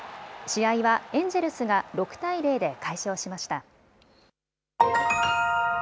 試合はエンジェルスが６対０で快勝しました。